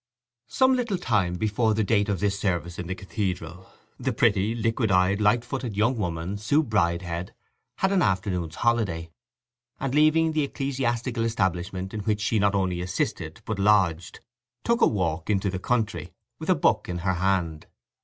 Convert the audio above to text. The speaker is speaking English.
Some little time before the date of this service in the cathedral the pretty, liquid eyed, light footed young woman, Sue Bridehead, had an afternoon's holiday, and leaving the ecclesiastical establishment in which she not only assisted but lodged, took a walk into the country with a book in her hand.